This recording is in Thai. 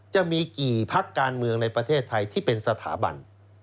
จะมีกี่พักการเมืองในประเทศไทยที่เป็นสถาบัน